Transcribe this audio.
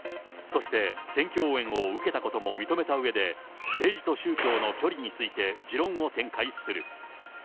そして選挙応援を受けたことも認めたうえで、政治と宗教の距離について持論を展開する。